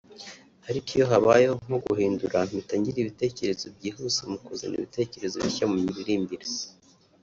ariko iyo habayeho nko guhindura mpita ngira ibitekerezo byihuse mu kuzana ibitekerezo bishya mu miririmbire